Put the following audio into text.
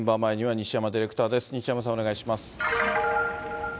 西山さん、お願いします。